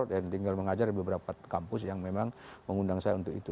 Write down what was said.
tinggal mengajar beberapa kampus yang memang mengundang saya untuk itu